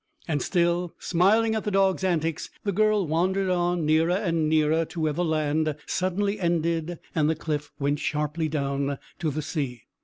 And still, smiling at the dog's antics, the girl wandered on, nearer and nearer to where the land suddenly ended and the cliff went sharply down to the sea.